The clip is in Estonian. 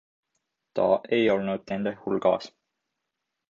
Ta ei olnud nende hulgas.